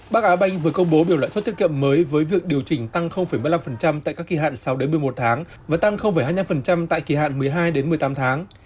bắc á banh vừa công bố biểu lãi suất tiết kiệm mới với việc điều chỉnh tăng một mươi năm tại các kỳ hạn sáu một mươi một tháng và tăng hai mươi năm tại kỳ hạn một mươi hai một mươi tám tháng